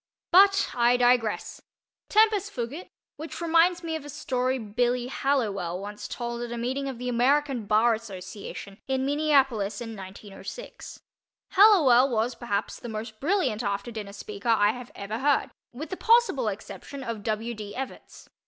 But I digress. Tempus fugit,—which reminds me of a story "Billy" Hallowell once told at a meeting of the American Bar Association in Minneapolis, in 1906. Hallowell was perhaps the most brilliant after dinner speaker I have ever heard—with the possible exception of W. D. Evarts.